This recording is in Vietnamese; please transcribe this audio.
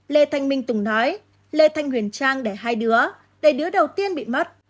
lê thanh minh tùng nói lê thanh huyền trang để hai đứa để đứa đầu tiên bị mất